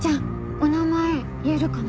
お名前言えるかな？